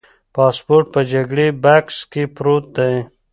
پاسپورت په جګري بکس کې پروت دی.